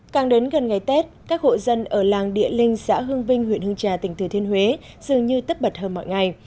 càng đến gần ngày tết các hộ dân ở làng địa linh xã hương vinh huyện hương trà tỉnh thừa thiên huế dường như tất bật hơn mọi ngày